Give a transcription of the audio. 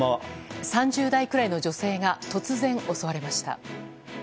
３０代くらいの女性が突然、襲われました。